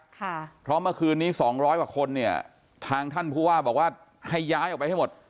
ค่ะเพราะเมื่อคืนนี้สองร้อยกว่าคนเนี่ยทางท่านผู้ว่าบอกว่าให้ย้ายออกไปให้หมด